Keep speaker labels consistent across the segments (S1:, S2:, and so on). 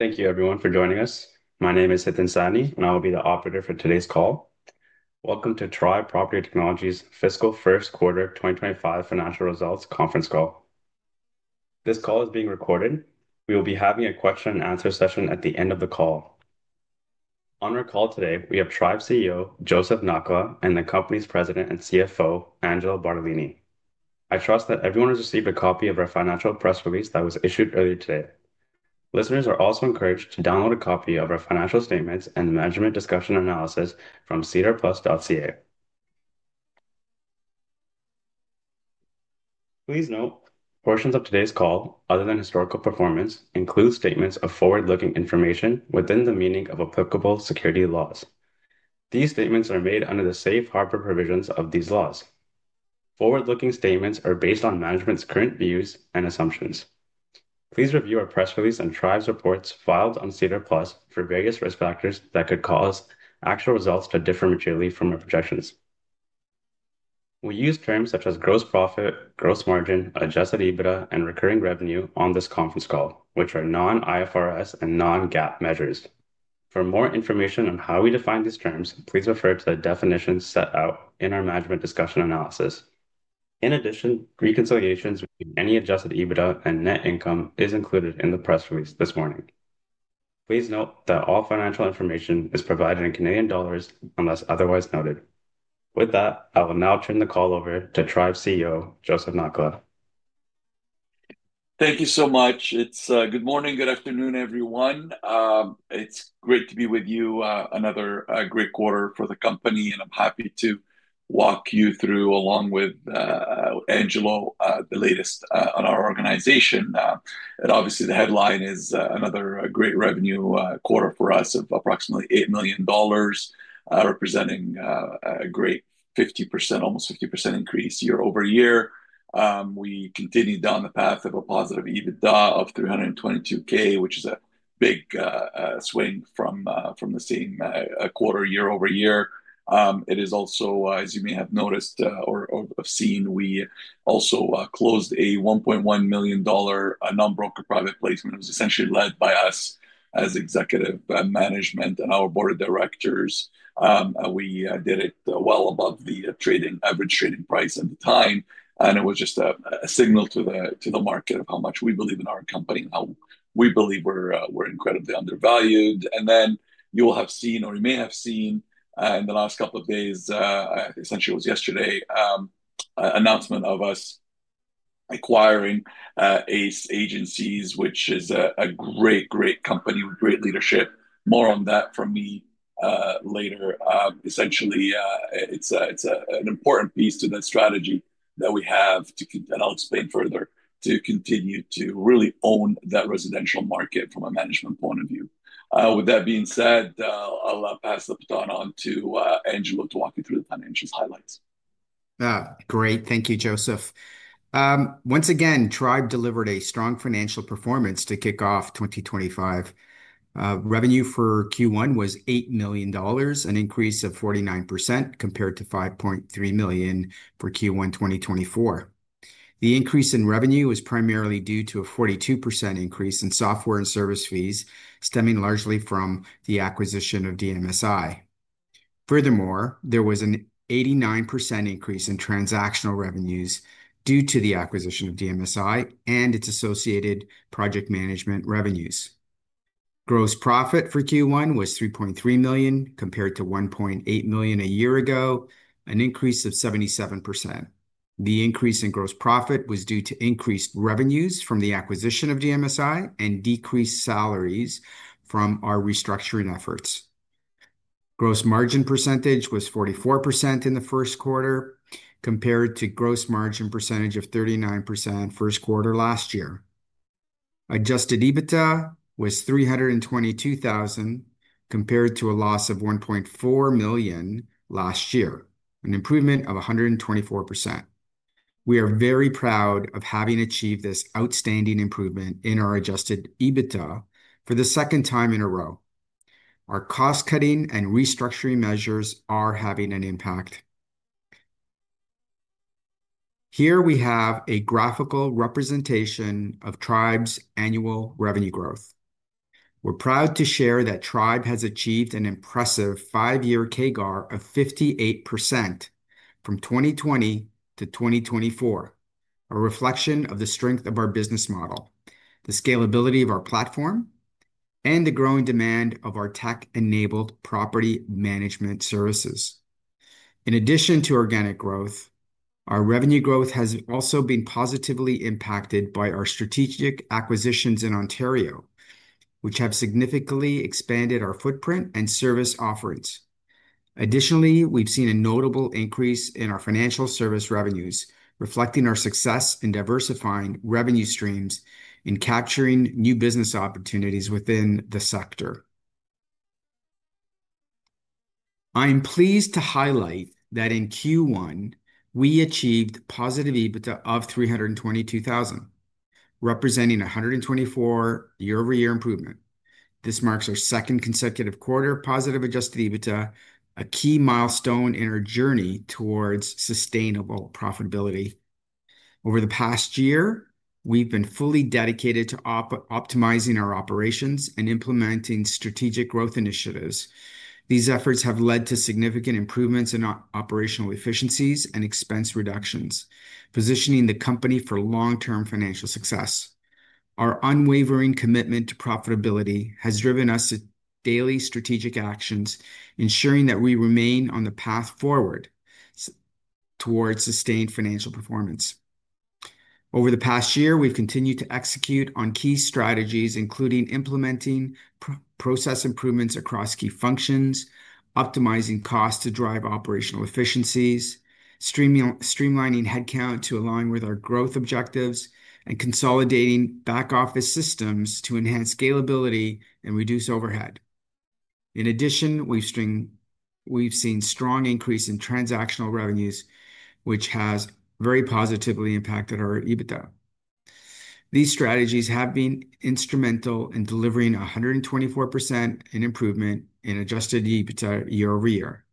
S1: Thank you, everyone, for joining us. My name is Hiten Sani, and I will be the operator for today's call. Welcome to Tribe Property Technologies' Fiscal First Quarter 2025 Financial Results Conference Call. This call is being recorded. We will be having a question-and-answer session at the end of the call. On our call today, we have Tribe CEO Joseph Nakhla and the company's President and CFO, Angelo Bartolini. I trust that everyone has received a copy of our financial press release that was issued earlier today. Listeners are also encouraged to download a copy of our financial statements and management discussion analysis from SEDAR+.ca. Please note, portions of today's call, other than historical performance, include statements of forward-looking information within the meaning of applicable security laws. These statements are made under the safe harbor provisions of these laws. Forward-looking statements are based on management's current views and assumptions. Please review our press release and Tribe's reports filed on SEDAR+ for various risk factors that could cause actual results to differ materially from our projections. We use terms such as gross profit, gross margin, adjusted EBITDA, and recurring revenue on this conference call, which are non-IFRS and non-GAAP measures. For more information on how we define these terms, please refer to the definitions set out in our management discussion analysis. In addition, reconciliations with any adjusted EBITDA and net income are included in the press release this morning. Please note that all financial information is provided in CAD unless otherwise noted. With that, I will now turn the call over to Tribe CEO Joseph Nakhla.
S2: Thank you so much. It's good morning, good afternoon, everyone. It's great to be with you, another great quarter for the company, and I'm happy to walk you through, along with Angelo, the latest on our organization. Obviously, the headline is another great revenue quarter for us of approximately 8 million dollars, representing a great 50%, almost 50% increase year over year. We continue down the path of a positive EBITDA of 322,000, which is a big swing from the same quarter year over year. It is also, as you may have noticed or have seen, we also closed a 1.1 million dollar non-broker private placement. It was essentially led by us as executive management and our board of directors. We did it well above the average trading price at the time, and it was just a signal to the market of how much we believe in our company and how we believe we're incredibly undervalued. You will have seen, or you may have seen in the last couple of days, essentially it was yesterday, an announcement of us acquiring ACE Agencies, which is a great, great company with great leadership. More on that from me later. Essentially, it's an important piece to the strategy that we have to, and I'll explain further, to continue to really own that residential market from a management point of view. With that being said, I'll pass the baton on to Angelo to walk you through the financials highlights.
S3: Great. Thank you, Joseph. Once again, Tribe delivered a strong financial performance to kick off 2025. Revenue for Q1 was 8 million dollars, an increase of 49% compared to 5.3 million for Q1 2024. The increase in revenue was primarily due to a 42% increase in software and service fees stemming largely from the acquisition of DMSI. Furthermore, there was an 89% increase in transactional revenues due to the acquisition of DMSI and its associated project management revenues. Gross profit for Q1 was 3.3 million compared to 1.8 million a year ago, an increase of 77%. The increase in gross profit was due to increased revenues from the acquisition of DMSI and decreased salaries from our restructuring efforts. Gross margin percentage was 44% in the first quarter compared to gross margin percentage of 39% first quarter last year. Adjusted EBITDA was 322,000 compared to a loss of 1.4 million last year, an improvement of 124%. We are very proud of having achieved this outstanding improvement in our adjusted EBITDA for the second time in a row. Our cost-cutting and restructuring measures are having an impact. Here we have a graphical representation of Tribe's annual revenue growth. We're proud to share that Tribe has achieved an impressive five-year CAGR of 58% from 2020 to 2024, a reflection of the strength of our business model, the scalability of our platform, and the growing demand of our tech-enabled property management services. In addition to organic growth, our revenue growth has also been positively impacted by our strategic acquisitions in Ontario, which have significantly expanded our footprint and service offerings. Additionally, we've seen a notable increase in our financial service revenues, reflecting our success in diversifying revenue streams and capturing new business opportunities within the sector. I'm pleased to highlight that in Q1, we achieved positive EBITDA of 322,000, representing a 124% year-over-year improvement. This marks our second consecutive quarter of positive adjusted EBITDA, a key milestone in our journey towards sustainable profitability. Over the past year, we've been fully dedicated to optimizing our operations and implementing strategic growth initiatives. These efforts have led to significant improvements in operational efficiencies and expense reductions, positioning the company for long-term financial success. Our unwavering commitment to profitability has driven us to daily strategic actions, ensuring that we remain on the path forward towards sustained financial performance. Over the past year, we've continued to execute on key strategies, including implementing process improvements across key functions, optimizing costs to drive operational efficiencies, streamlining headcount to align with our growth objectives, and consolidating back-office systems to enhance scalability and reduce overhead. In addition, we've seen a strong increase in transactional revenues, which has very positively impacted our EBITDA. These strategies have been instrumental in delivering a 124% improvement in adjusted EBITDA year over year.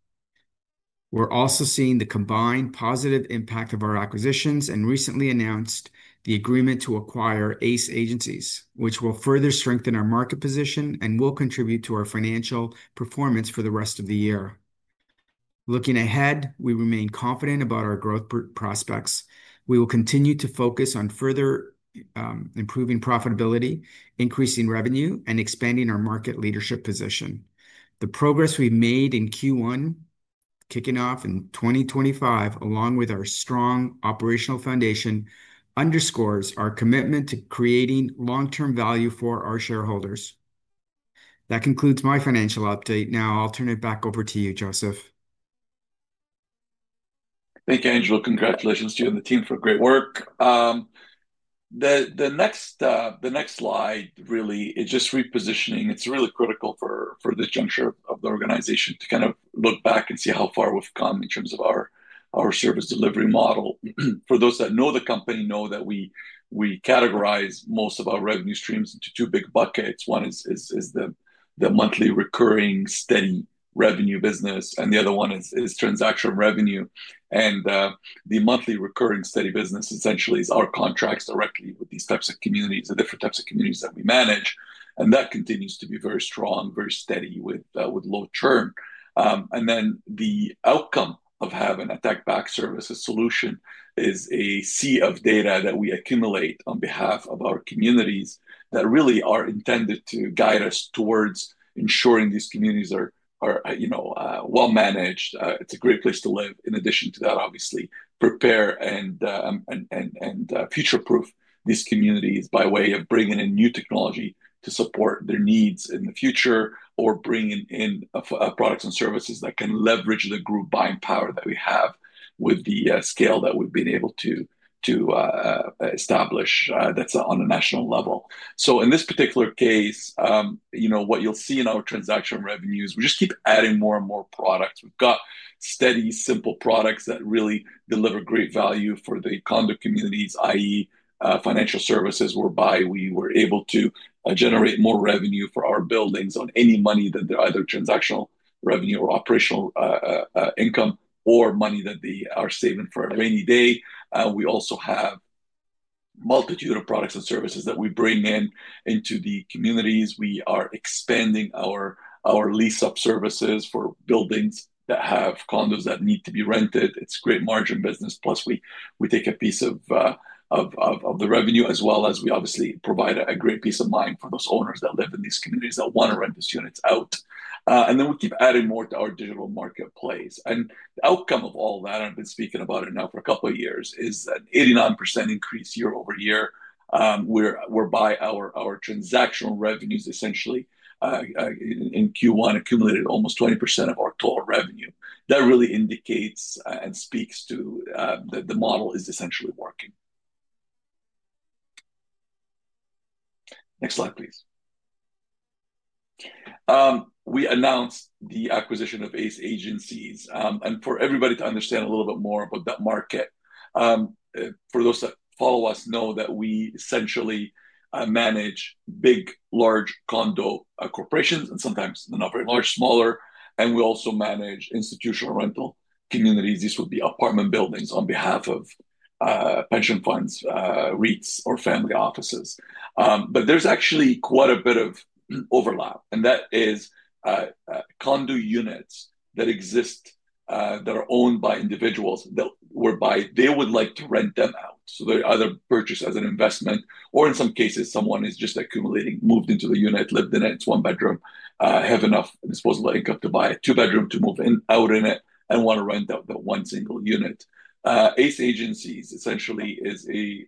S3: We're also seeing the combined positive impact of our acquisitions and recently announced the agreement to acquire ACE Agencies, which will further strengthen our market position and will contribute to our financial performance for the rest of the year. Looking ahead, we remain confident about our growth prospects. We will continue to focus on further improving profitability, increasing revenue, and expanding our market leadership position. The progress we have made in Q1, kicking off in 2025, along with our strong operational foundation, underscores our commitment to creating long-term value for our shareholders. That concludes my financial update. Now, I will turn it back over to you, Joseph.
S2: Thank you, Angelo. Congratulations to you and the team for great work. The next slide really, it's just repositioning. It's really critical for this juncture of the organization to kind of look back and see how far we've come in terms of our service delivery model. For those that know the company know that we categorize most of our revenue streams into two big buckets. One is the monthly recurring steady revenue business, and the other one is transactional revenue. The monthly recurring steady business essentially is our contracts directly with these types of communities, the different types of communities that we manage. That continues to be very strong, very steady with low churn. The outcome of having a tech-backed services solution is a sea of data that we accumulate on behalf of our communities that really are intended to guide us towards ensuring these communities are well-managed. It is a great place to live. In addition to that, obviously, prepare and future-proof these communities by way of bringing in new technology to support their needs in the future or bringing in products and services that can leverage the group buying power that we have with the scale that we have been able to establish that is on a national level. In this particular case, what you will see in our transactional revenues, we just keep adding more and more products. We've got steady, simple products that really deliver great value for the condo communities, i.e., financial services, whereby we were able to generate more revenue for our buildings on any money that they're either transactional revenue or operational income or money that they are saving for a rainy day. We also have a multitude of products and services that we bring in into the communities. We are expanding our lease-up services for buildings that have condos that need to be rented. It's a great margin business. Plus, we take a piece of the revenue, as well as we obviously provide a great peace of mind for those owners that live in these communities that want to rent these units out. We keep adding more to our digital marketplace. The outcome of all that, I've been speaking about it now for a couple of years, is an 89% increase year over year, whereby our transactional revenues essentially in Q1 accumulated almost 20% of our total revenue. That really indicates and speaks to the model is essentially working. Next slide, please. We announced the acquisition of ACE Agencies. For everybody to understand a little bit more about that market, for those that follow us, know that we essentially manage big, large condo corporations, and sometimes they're not very large, smaller. We also manage institutional rental communities. These would be apartment buildings on behalf of pension funds, REITs, or family offices. There is actually quite a bit of overlap, and that is condo units that exist that are owned by individuals whereby they would like to rent them out. They either purchase as an investment, or in some cases, someone is just accumulating, moved into the unit, lived in it, it's one-bedroom, have enough disposable income to buy a two-bedroom, to move out in it, and want to rent out that one single unit. ACE Agencies essentially is a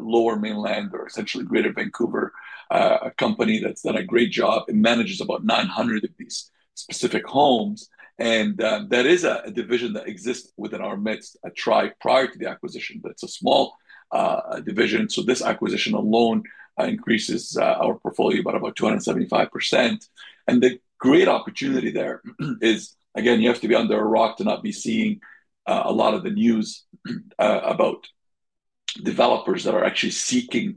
S2: Lower Mainland or essentially Greater Vancouver company that's done a great job. It manages about 900 of these specific homes. That is a division that exists within our midst, a Tribe prior to the acquisition. That's a small division. This acquisition alone increases our portfolio by about 275%. The great opportunity there is, again, you have to be under a rock to not be seeing a lot of the news about developers that are actually seeking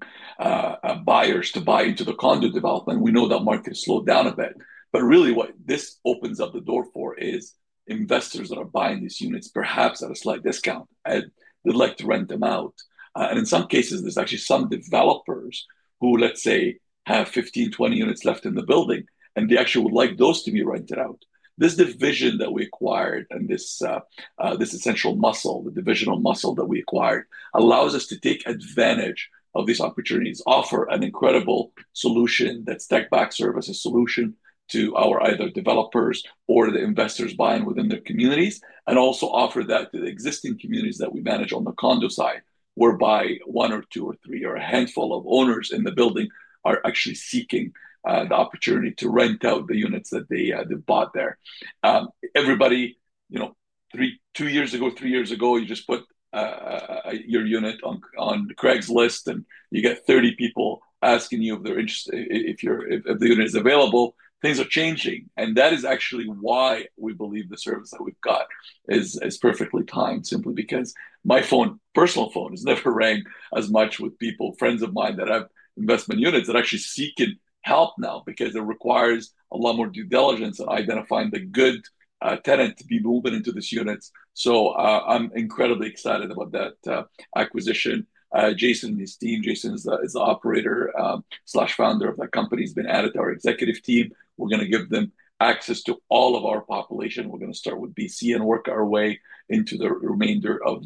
S2: buyers to buy into the condo development. We know that market slowed down a bit, but really what this opens up the door for is investors that are buying these units, perhaps at a slight discount, and they'd like to rent them out. In some cases, there's actually some developers who, let's say, have 15-20 units left in the building, and they actually would like those to be rented out. This division that we acquired and this essential muscle, the divisional muscle that we acquired, allows us to take advantage of these opportunities, offer an incredible solution that's tech-backed services, solution to our either developers or the investors buying within their communities, and also offer that to the existing communities that we manage on the condo side, whereby one or two or three or a handful of owners in the building are actually seeking the opportunity to rent out the units that they bought there. Everybody, two years ago, three years ago, you just put your unit on Craigslist, and you get 30 people asking you if they're interested if the unit is available. Things are changing. That is actually why we believe the service that we've got is perfectly timed, simply because my phone, personal phone, has never rang as much with people, friends of mine, that have investment units that are actually seeking help now because it requires a lot more due diligence in identifying the good tenant to be moving into these units. I am incredibly excited about that acquisition. Jason and his team, Jason is the operator/founder of that company, has been added to our executive team. We are going to give them access to all of our population. We are going to start with BC and work our way into the remainder of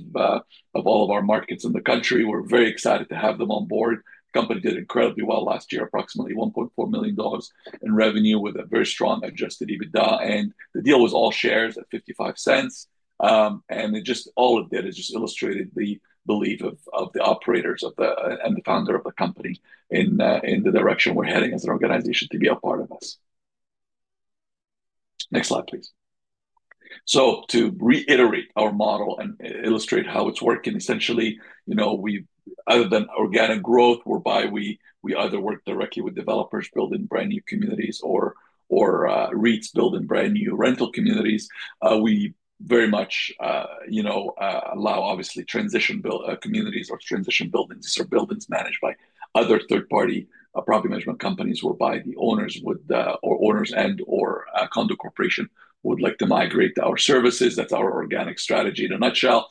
S2: all of our markets in the country. We're very excited to have them on board. The company did incredibly well last year, approximately 1.4 million dollars in revenue with a very strong adjusted EBITDA. The deal was all shares at 0.55. All of that has just illustrated the belief of the operators and the founder of the company in the direction we're heading as an organization to be a part of us. Next slide, please. To reiterate our model and illustrate how it's working, essentially, other than organic growth, whereby we either work directly with developers building brand new communities or REITs building brand new rental communities, we very much allow, obviously, transition communities or transition buildings. These are buildings managed by other third-party property management companies whereby the owners and/or condo corporation would like to migrate our services. That's our organic strategy in a nutshell.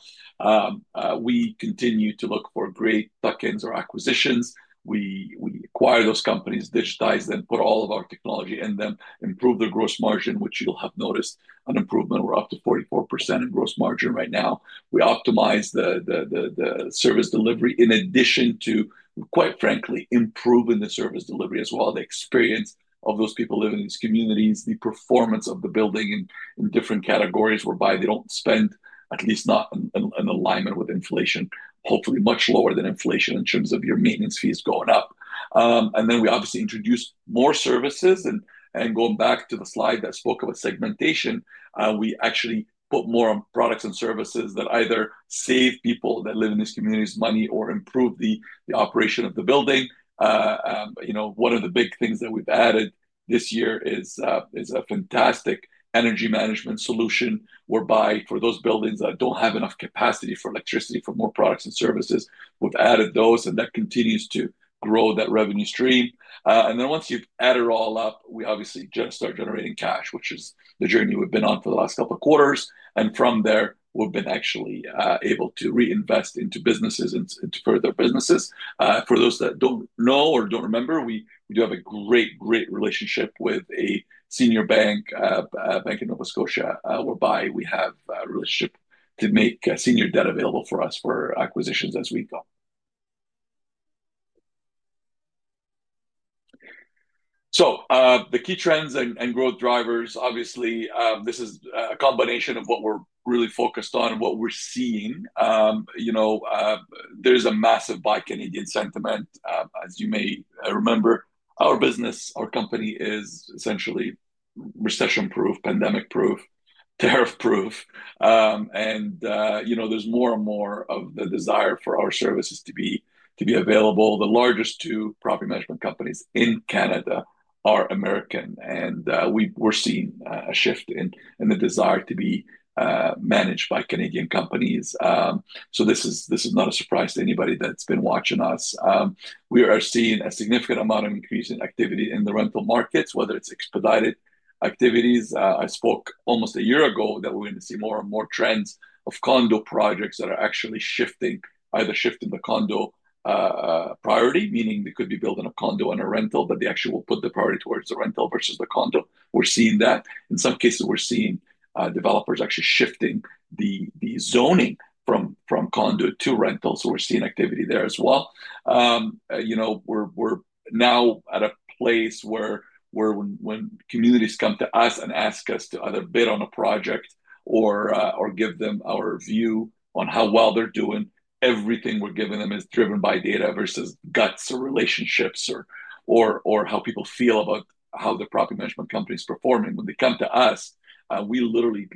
S2: We continue to look for great tuck-ins or acquisitions. We acquire those companies, digitize them, put all of our technology in them, improve the gross margin, which you'll have noticed an improvement. We're up to 44% in gross margin right now. We optimize the service delivery in addition to, quite frankly, improving the service delivery as well, the experience of those people living in these communities, the performance of the building in different categories whereby they don't spend, at least not in alignment with inflation, hopefully much lower than inflation in terms of your maintenance fees going up. We obviously introduce more services. Going back to the slide that spoke of a segmentation, we actually put more on products and services that either save people that live in these communities money or improve the operation of the building. One of the big things that we've added this year is a fantastic energy management solution whereby for those buildings that don't have enough capacity for electricity for more products and services, we've added those, and that continues to grow that revenue stream. Once you've added it all up, we obviously just start generating cash, which is the journey we've been on for the last couple of quarters. From there, we've been actually able to reinvest into businesses and to further businesses. For those that don't know or don't remember, we do have a great, great relationship with a senior bank, Bank of Nova Scotia, whereby we have a relationship to make senior debt available for us for acquisitions as we go. The key trends and growth drivers, obviously, this is a combination of what we're really focused on and what we're seeing. There is a massive buy Canadian sentiment, as you may remember. Our business, our company is essentially recession-proof, pandemic-proof, tariff-proof. There is more and more of the desire for our services to be available. The largest two property management companies in Canada are American. We are seeing a shift in the desire to be managed by Canadian companies. This is not a surprise to anybody that has been watching us. We are seeing a significant amount of increase in activity in the rental markets, whether it is expedited activities. I spoke almost a year ago that we are going to see more and more trends of condo projects that are actually shifting, either shifting the condo priority, meaning they could be building a condo and a rental, but they actually will put the priority towards the rental versus the condo. We are seeing that. In some cases, we're seeing developers actually shifting the zoning from condo to rental. We're seeing activity there as well. We're now at a place where when communities come to us and ask us to either bid on a project or give them our view on how well they're doing, everything we're giving them is driven by data versus guts or relationships or how people feel about how the property management company is performing. When they come to us, we literally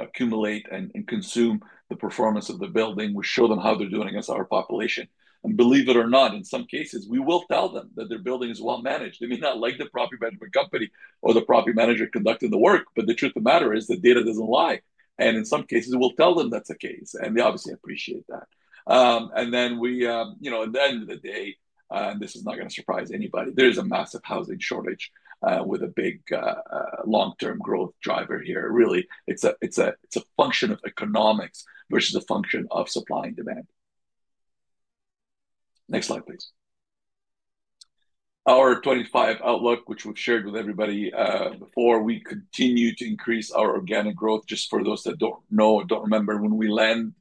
S2: accumulate and consume the performance of the building. We show them how they're doing against our population. And believe it or not, in some cases, we will tell them that their building is well-managed. They may not like the property management company or the property manager conducting the work, but the truth of the matter is the data doesn't lie. In some cases, we'll tell them that's the case. They obviously appreciate that. At the end of the day, and this is not going to surprise anybody, there is a massive housing shortage with a big long-term growth driver here. Really, it's a function of economics versus a function of supply and demand. Next slide, please. Our 2025 outlook, which we've shared with everybody before, we continue to increase our organic growth. Just for those that don't know, don't remember, when we lend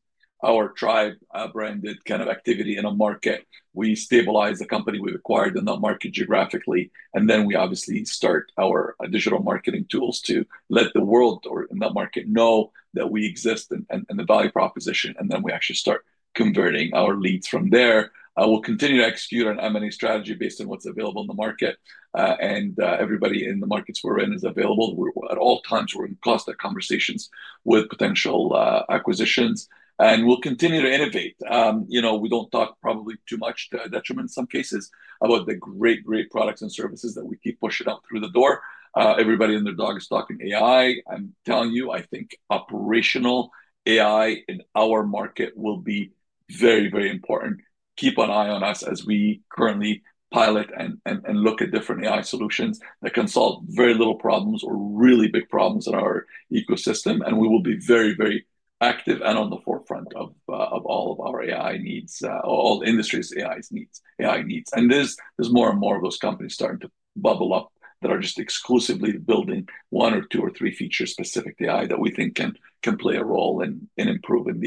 S2: our Tribe-branded kind of activity in a market, we stabilize the company. We've acquired the non-market geographically. We obviously start our digital marketing tools to let the world or in the market know that we exist and the value proposition. We actually start converting our leads from there. We'll continue to execute on M&A strategy based on what's available in the market. Everybody in the markets we're in is available. At all times, we're in constant conversations with potential acquisitions. We'll continue to innovate. We don't talk probably too much, to our detriment in some cases, about the great, great products and services that we keep pushing out through the door. Everybody and their dog is talking AI. I'm telling you, I think operational AI in our market will be very, very important. Keep an eye on us as we currently pilot and look at different AI solutions that can solve very little problems or really big problems in our ecosystem. We will be very, very active and on the forefront of all of our AI needs, all industries' AI needs. There are more and more of those companies starting to bubble up that are just exclusively building one or two or three feature-specific AI that we think can play a role in improving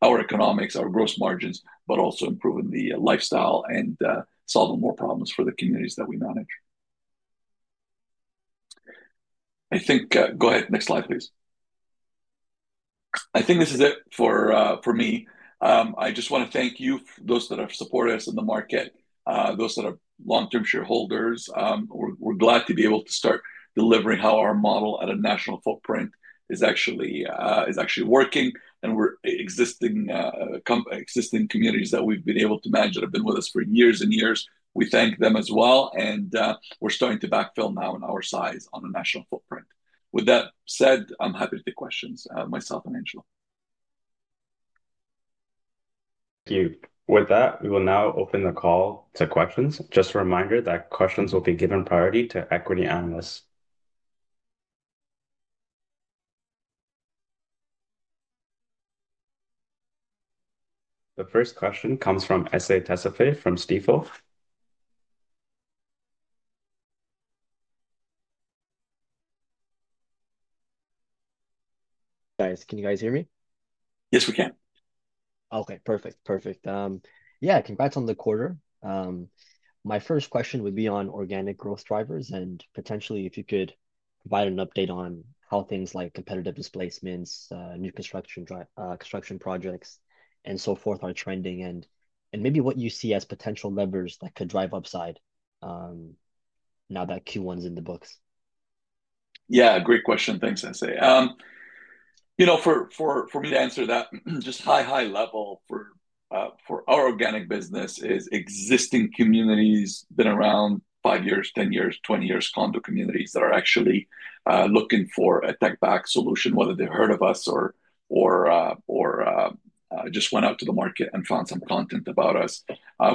S2: our economics, our gross margins, but also improving the lifestyle and solving more problems for the communities that we manage. Go ahead. Next slide, please. I think this is it for me. I just want to thank you, those that have supported us in the market, those that are long-term shareholders. We're glad to be able to start delivering how our model at a national footprint is actually working. Existing communities that we've been able to manage that have been with us for years and years, we thank them as well. We're starting to backfill now in our size on a national footprint. With that said, I'm happy to take questions, myself and Angelo.
S1: Thank you. With that, we will now open the call to questions. Just a reminder that questions will be given priority to equity analysts. The first question comes from Essey Tesfay from Stifel.
S4: Guys, can you guys hear me?
S2: Yes, we can.
S4: Okay, perfect. Perfect. Yeah, congrats on the quarter. My first question would be on organic growth drivers and potentially if you could provide an update on how things like competitive displacements, new construction projects, and so forth are trending and maybe what you see as potential levers that could drive upside now that Q1 is in the books.
S2: Yeah, great question. Thanks, Essey. For me to answer that, just high, high level for our organic business is existing communities. Been around five years, ten years, twenty years condo communities that are actually looking for a tech-backed solution, whether they've heard of us or just went out to the market and found some content about us.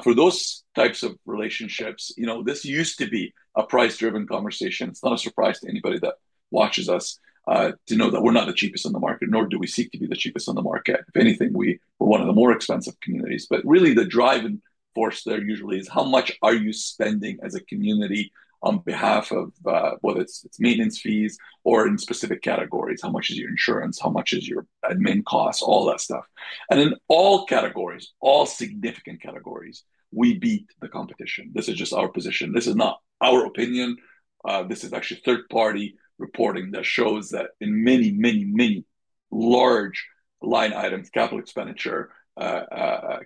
S2: For those types of relationships, this used to be a price-driven conversation. It's not a surprise to anybody that watches us to know that we're not the cheapest on the market, nor do we seek to be the cheapest on the market. If anything, we're one of the more expensive communities. Really, the driving force there usually is how much are you spending as a community on behalf of whether it's maintenance fees or in specific categories. How much is your insurance? How much is your admin costs? All that stuff. In all categories, all significant categories, we beat the competition. This is just our position. This is not our opinion. This is actually third-party reporting that shows that in many, many, many large line items, capital expenditure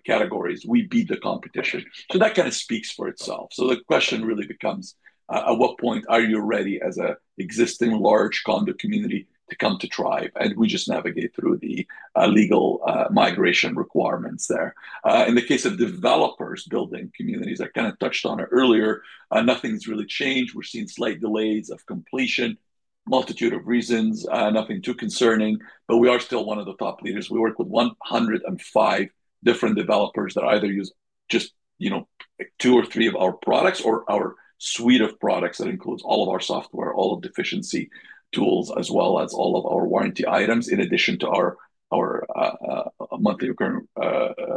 S2: categories, we beat the competition. That kind of speaks for itself. The question really becomes, at what point are you ready as an existing large condo community to come to Tribe? We just navigate through the legal migration requirements there. In the case of developers building communities, I kind of touched on it earlier. Nothing's really changed. We're seeing slight delays of completion, multitude of reasons, nothing too concerning. We are still one of the top leaders. We work with 105 different developers that either use just two or three of our products or our suite of products that includes all of our software, all of the efficiency tools, as well as all of our warranty items, in addition to our monthly recurring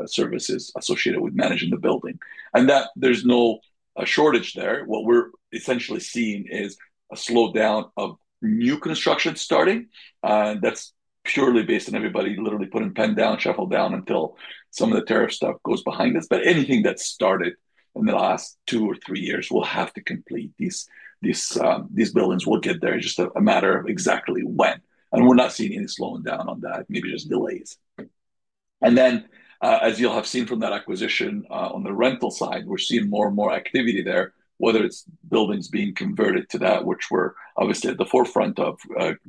S2: services associated with managing the building. There is no shortage there. What we're essentially seeing is a slowdown of new construction starting. That is purely based on everybody literally putting pen down, shuffle down until some of the tariff stuff goes behind us. Anything that started in the last two or three years will have to complete these buildings. We will get there. It is just a matter of exactly when. We are not seeing any slowing down on that, maybe just delays. As you will have seen from that acquisition on the rental side, we are seeing more and more activity there, whether it is buildings being converted to that, which we are obviously at the forefront of,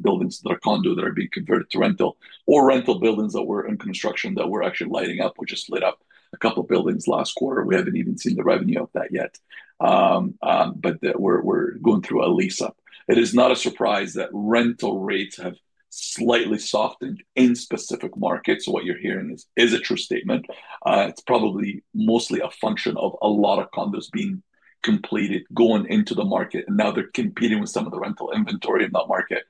S2: buildings that are condos that are being converted to rental, or rental buildings that were in construction that we are actually lighting up, which has lit up a couple of buildings last quarter. We have not even seen the revenue of that yet. But we are going through a lease-up. It is not a surprise that rental rates have slightly softened in specific markets. What you are hearing is a true statement. It is probably mostly a function of a lot of condos being completed, going into the market, and now they are competing with some of the rental inventory in that market,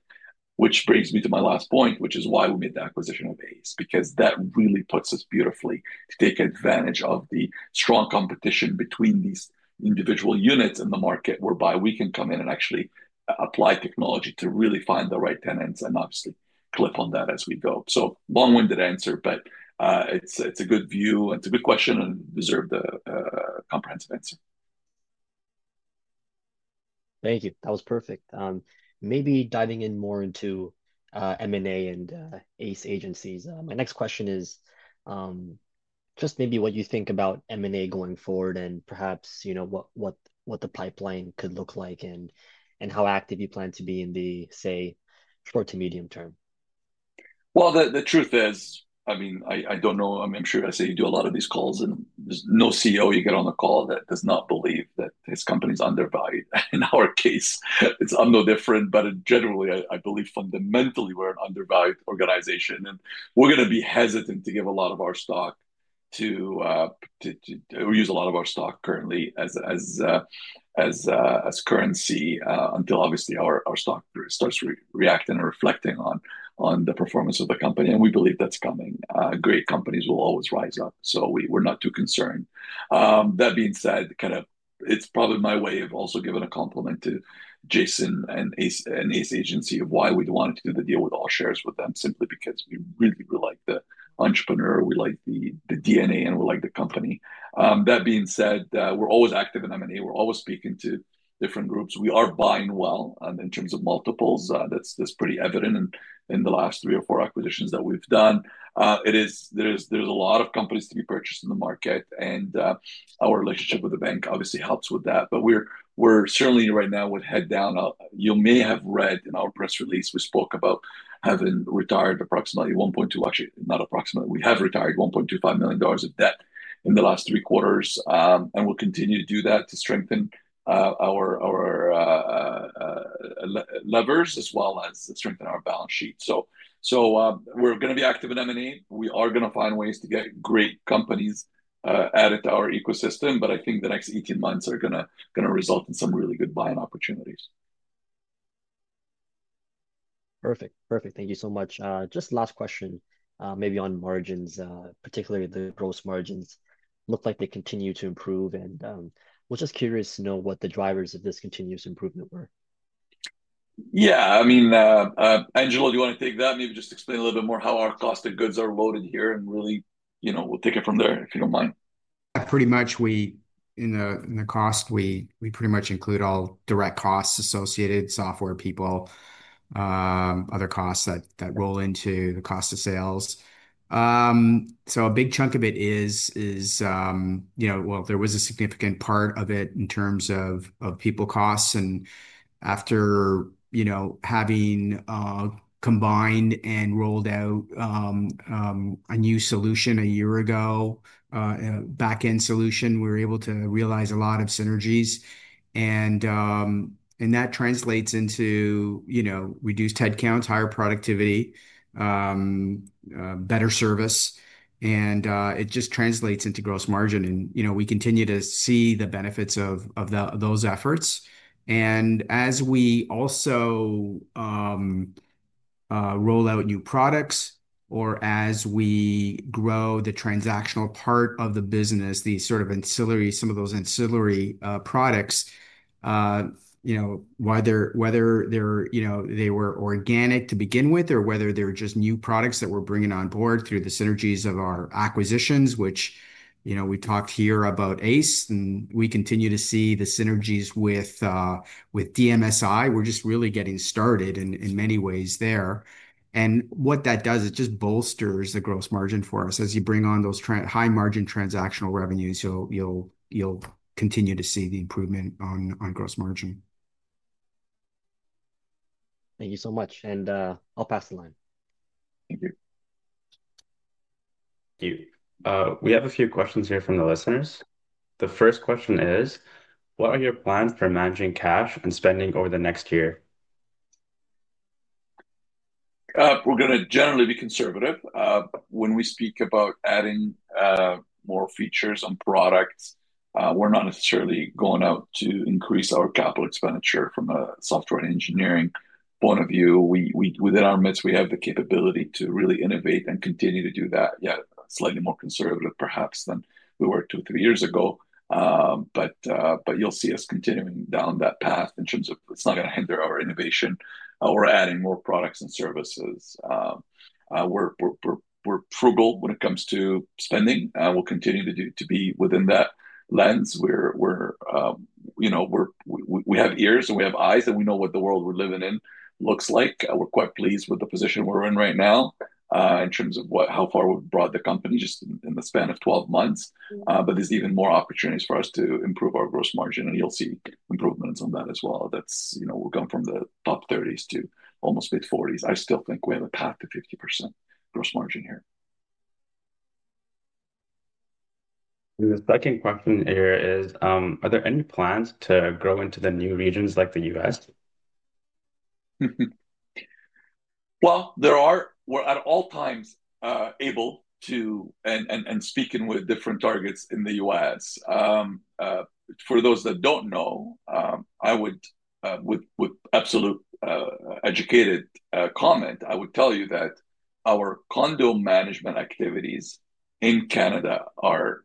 S2: which brings me to my last point, which is why we made the acquisition of ACE, because that really puts us beautifully to take advantage of the strong competition between these individual units in the market whereby we can come in and actually apply technology to really find the right tenants and obviously clip on that as we go. Long-winded answer, but it is a good view and it is a good question and deserved a comprehensive answer.
S4: Thank you. That was perfect. Maybe diving in more into M&A and ACE Agencies. My next question is just maybe what you think about M&A going forward and perhaps what the pipeline could look like and how active you plan to be in the, say, short to medium term.
S2: I mean, I don't know. I'm sure I say you do a lot of these calls, and there's no CEO you get on a call that does not believe that his company is undervalued. In our case, it's no different, but generally, I believe fundamentally we're an undervalued organization. We're going to be hesitant to give a lot of our stock to we use a lot of our stock currently as currency until, obviously, our stock starts reacting and reflecting on the performance of the company. We believe that's coming. Great companies will always rise up. We're not too concerned. That being said, kind of it's probably my way of also giving a compliment to Jason and ACE Agencies of why we wanted to do the deal with all shares with them simply because we really like the entrepreneur. We like the DNA and we like the company. That being said, we're always active in M&A. We're always speaking to different groups. We are buying well in terms of multiples. That's pretty evident in the last three or four acquisitions that we've done. There's a lot of companies to be purchased in the market. Our relationship with the bank obviously helps with that. We're certainly right now with head down. You may have read in our press release, we spoke about having retired approximately 1.2, actually, not approximately. We have retired 1.25 million dollars of debt in the last three quarters. We will continue to do that to strengthen our levers as well as strengthen our balance sheet. We are going to be active in M&A. We are going to find ways to get great companies added to our ecosystem. I think the next 18 months are going to result in some really good buying opportunities.
S4: Perfect. Perfect. Thank you so much. Just last question, maybe on margins, particularly the gross margins. Look like they continue to improve. We are just curious to know what the drivers of this continuous improvement were.
S2: Yeah. I mean, Angelo, do you want to take that? Maybe just explain a little bit more how our cost of goods are loaded here and really we will take it from there if you do not mind.
S3: Pretty much in the cost, we pretty much include all direct costs associated, software people, other costs that roll into the cost of sales. A big chunk of it is, well, there was a significant part of it in terms of people costs. After having combined and rolled out a new solution a year ago, a back-end solution, we were able to realize a lot of synergies. That translates into reduced headcounts, higher productivity, better service. It just translates into gross margin. We continue to see the benefits of those efforts. As we also roll out new products or as we grow the transactional part of the business, the sort of ancillary, some of those ancillary products, whether they were organic to begin with or whether they're just new products that we're bringing on board through the synergies of our acquisitions, which we talked here about ACE, and we continue to see the synergies with DMSI. We're just really getting started in many ways there. What that does, it just bolsters the gross margin for us. As you bring on those high-margin transactional revenues, you'll continue to see the improvement on gross margin.
S4: Thank you so much. I'll pass the line. Thank you. Thank you.
S1: We have a few questions here from the listeners. The first question is, what are your plans for managing cash and spending over the next year?
S2: We're going to generally be conservative. When we speak about adding more features on products, we're not necessarily going out to increase our capital expenditure from a software engineering point of view. Within our midst, we have the capability to really innovate and continue to do that. Yeah, slightly more conservative, perhaps, than we were two or three years ago. You'll see us continuing down that path in terms of it's not going to hinder our innovation. We're adding more products and services. We're frugal when it comes to spending. We'll continue to be within that lens. We have ears and we have eyes that we know what the world we're living in looks like. We're quite pleased with the position we're in right now in terms of how far we've brought the company just in the span of 12 months. There's even more opportunities for us to improve our gross margin. You will see improvements on that as well. We have gone from the top 30s to almost mid-40s. I still think we have a path to 50% gross margin here.
S1: The second question here is, are there any plans to grow into the new regions like the U.S.?
S2: There are. We are at all times able to and speaking with different targets in the U.S. For those that do not know, I would, with absolute educated comment, tell you that our condo management activities in Canada are,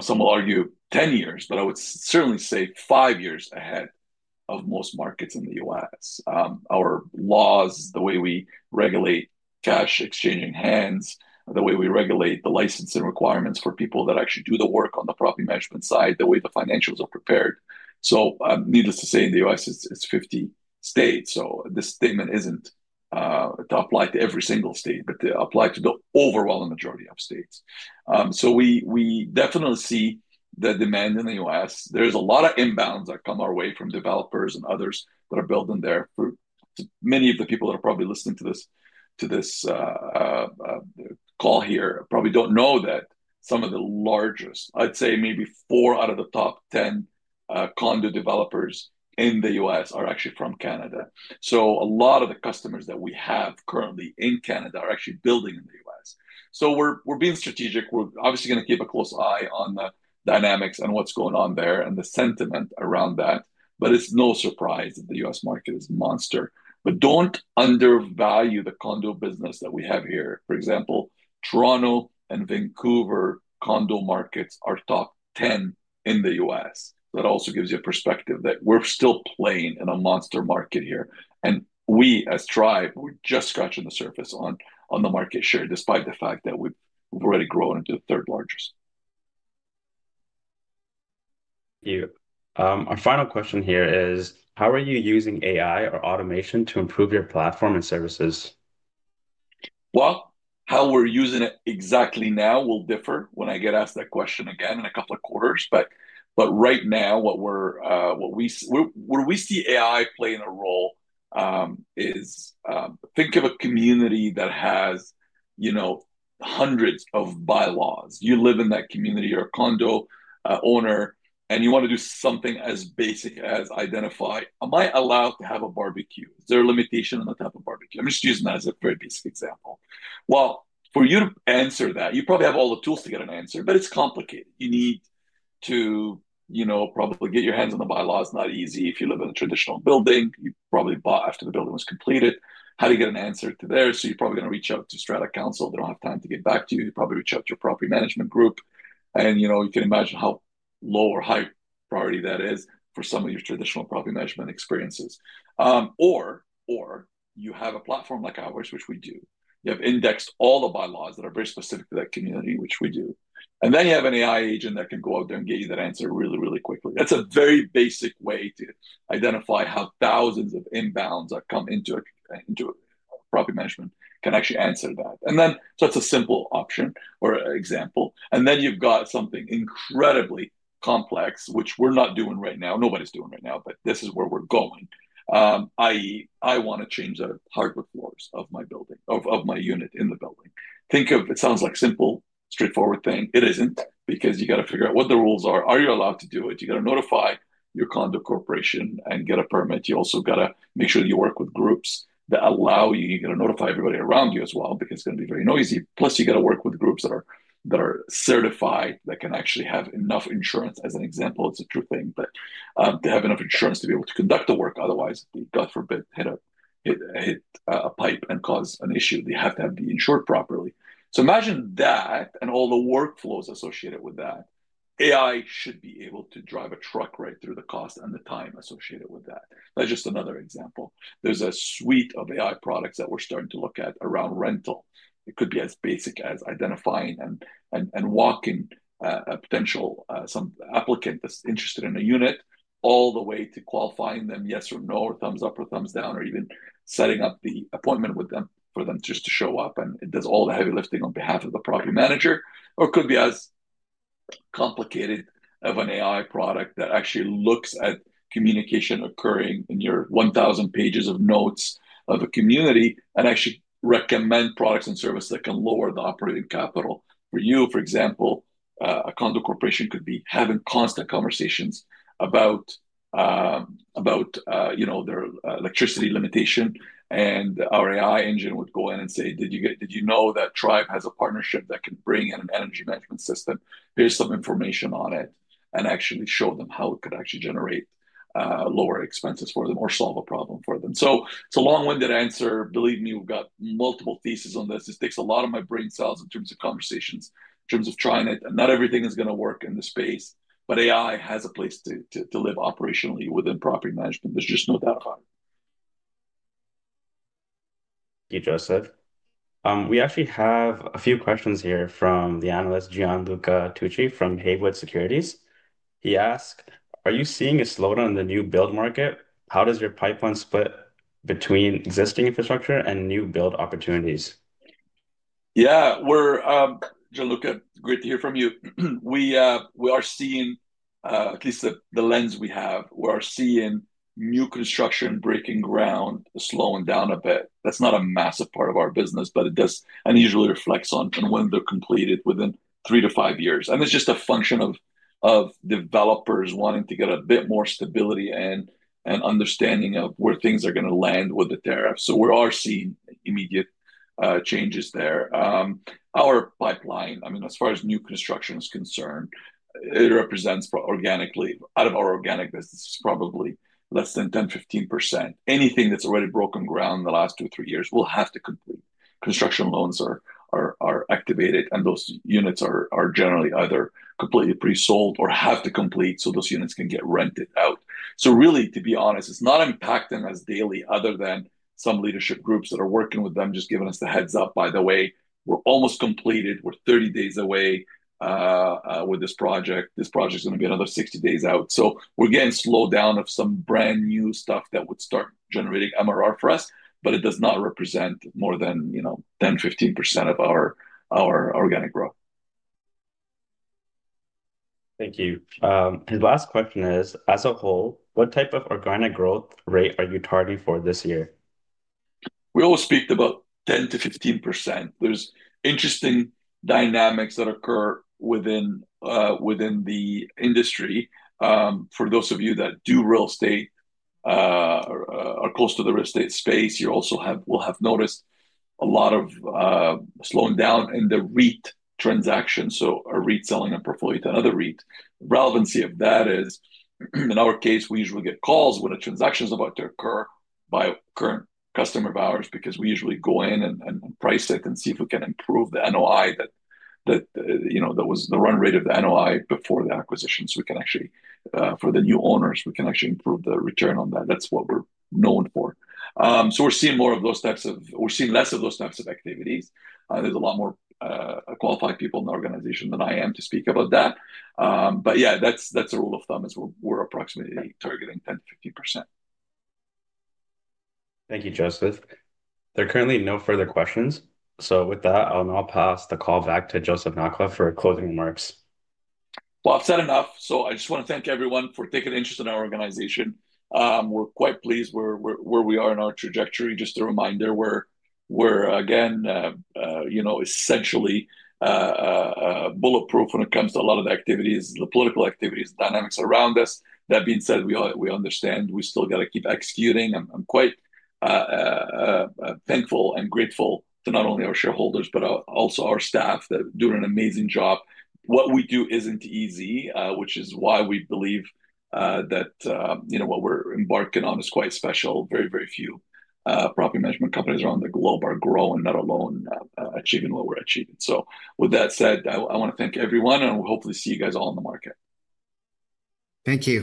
S2: some will argue 10 years, but I would certainly say five years ahead of most markets in the U.S. Our laws, the way we regulate cash exchange in hands, the way we regulate the licensing requirements for people that actually do the work on the property management side, the way the financials are prepared. Needless to say, in the U.S., it's 50 states. This statement is not to apply to every single state, but to apply to the overwhelming majority of states. We definitely see the demand in the U.S. There is a lot of inbounds that come our way from developers and others that are building there. Many of the people that are probably listening to this call here probably do not know that some of the largest, I'd say maybe four out of the top 10 condo developers in the U.S. are actually from Canada. A lot of the customers that we have currently in Canada are actually building in the U.S. We are being strategic. We are obviously going to keep a close eye on the dynamics and what is going on there and the sentiment around that. It is no surprise that the U.S. market is a monster. Don't undervalue the condo business that we have here. For example, Toronto and Vancouver condo markets are top 10 in the U.S. That also gives you a perspective that we're still playing in a monster market here. We, as Tribe, we're just scratching the surface on the market share despite the fact that we've already grown into the third largest. Thank you.
S1: Our final question here is, how are you using AI or automation to improve your platform and services?
S2: How we're using it exactly now will differ when I get asked that question again in a couple of quarters. Right now, what we see AI playing a role is, think of a community that has hundreds of bylaws. You live in that community, you're a condo owner, and you want to do something as basic as identify, "Am I allowed to have a barbecue? Is there a limitation on the type of barbecue? I'm just using that as a very basic example. For you to answer that, you probably have all the tools to get an answer, but it's complicated. You need to probably get your hands on the bylaws. Not easy. If you live in a traditional building, you probably bought after the building was completed. How do you get an answer to that? You're probably going to reach out to Strata Council. They don't have time to get back to you. You probably reach out to your property management group. You can imagine how low or high priority that is for some of your traditional property management experiences. Or you have a platform like ours, which we do. You have indexed all the bylaws that are very specific to that community, which we do. You have an AI agent that can go out there and get you that answer really, really quickly. That is a very basic way to identify how thousands of inbounds that come into property management can actually answer that. That is a simple option or example. You have something incredibly complex, which we are not doing right now. Nobody is doing right now, but this is where we are going. I want to change the hardware floors of my building, of my unit in the building. Think of it, it sounds like a simple, straightforward thing. It is not because you have to figure out what the rules are. Are you allowed to do it? You have to notify your condo corporation and get a permit. You also have to make sure that you work with groups that allow you. You got to notify everybody around you as well because it's going to be very noisy. Plus, you got to work with groups that are certified that can actually have enough insurance. As an example, it's a true thing, but to have enough insurance to be able to conduct the work, otherwise, God forbid, hit a pipe and cause an issue. They have to have the insured properly. Imagine that and all the workflows associated with that. AI should be able to drive a truck right through the cost and the time associated with that. That's just another example. There's a suite of AI products that we're starting to look at around rental. It could be as basic as identifying and walking a potential applicant that's interested in a unit all the way to qualifying them yes or no or thumbs up or thumbs down or even setting up the appointment with them for them just to show up. It does all the heavy lifting on behalf of the property manager. It could be as complicated of an AI product that actually looks at communication occurring in your 1,000 pages of notes of a community and actually recommends products and services that can lower the operating capital for you. For example, a condo corporation could be having constant conversations about their electricity limitation. Our AI engine would go in and say, "Did you know that Tribe has a partnership that can bring in an energy management solution? Here's some information on it. Actually show them how it could actually generate lower expenses for them or solve a problem for them. It is a long-winded answer. Believe me, we have got multiple theses on this. This takes a lot of my brain cells in terms of conversations, in terms of trying it. Not everything is going to work in this space. AI has a place to live operationally within property management. There is just no doubt about it.
S1: Thank you, Joseph. We actually have a few questions here from the analyst, John Luca Tucci from Haywood Securities. He asked, "Are you seeing a slowdown in the new build market? How does your pipeline split between existing infrastructure and new build opportunities?"
S2: Yeah. John Luca, great to hear from you. We are seeing, at least the lens we have, we are seeing new construction breaking ground, slowing down a bit. That is not a massive part of our business, but it does unusually reflect on when they are completed within three to five years. It is just a function of developers wanting to get a bit more stability and understanding of where things are going to land with the tariffs. We are seeing immediate changes there. Our pipeline, I mean, as far as new construction is concerned, it represents organically out of our organic business, it is probably less than 10-15%. Anything that is already broken ground in the last two or three years will have to complete. Construction loans are activated, and those units are generally either completely pre-sold or have to complete so those units can get rented out. To be honest, it's not impacting us daily other than some leadership groups that are working with them just giving us the heads up, "By the way, we're almost completed. We're 30 days away with this project. This project is going to be another 60 days out." We're getting slowed down of some brand new stuff that would start generating MRR for us, but it does not represent more than 10-15% of our organic growth.
S1: Thank you. His last question is, as a whole, what type of organic growth rate are you targeting for this year?
S2: We always speak about 10-15%. There are interesting dynamics that occur within the industry. For those of you that do real estate or are close to the real estate space, you also will have noticed a lot of slowing down in the REIT transactions. A REIT selling a portfolio to another REIT. The relevancy of that is, in our case, we usually get calls when a transaction is about to occur by a current customer of ours because we usually go in and price it and see if we can improve the NOI, that was the run rate of the NOI before the acquisition. We can actually, for the new owners, improve the return on that. That is what we are known for. We are seeing less of those types of activities. There are a lot more qualified people in the organization than I am to speak about that. Yeah, as a rule of thumb, we are approximately targeting 10%-15%.
S1: Thank you, Joseph. There are currently no further questions.
S2: With that, I'll now pass the call back to Joseph Nakhla for closing remarks. I have said enough. I just want to thank everyone for taking interest in our organization. We are quite pleased where we are in our trajectory. Just a reminder, we are again essentially bulletproof when it comes to a lot of the activities, the political activities, the dynamics around us. That being said, we understand we still have to keep executing. I am quite thankful and grateful to not only our shareholders, but also our staff that do an amazing job. What we do is not easy, which is why we believe that what we are embarking on is quite special. Very, very few property management companies around the globe are growing, let alone achieving what we are achieving. With that said, I want to thank everyone, and we will hopefully see you all in the market. Thank you.